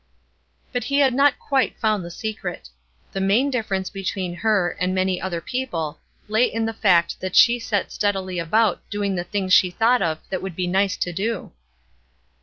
But he had not quite found the secret. The main difference between her and many other people lay in the fact that she set steadily about doing the things she thought of that would be nice to do.